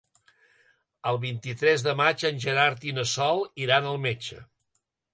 El vint-i-tres de maig en Gerard i na Sol iran al metge.